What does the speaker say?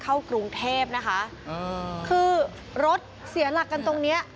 เข้ากรุงเทพนะคะคือรถเสียหลักกันตรงเนี้ย